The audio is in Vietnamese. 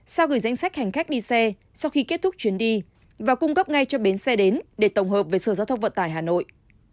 sao gửi danh sách hành khách đi xe sau khi kết thúc chuyến đi và cung cấp ngay cho bến xe đến để tổng hợp về sở giao thông vận tải hà nội